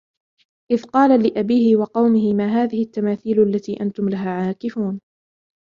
إِذْ قَالَ لِأَبِيهِ وَقَوْمِهِ مَا هَذِهِ التَّمَاثِيلُ الَّتِي أَنْتُمْ لَهَا عَاكِفُونَ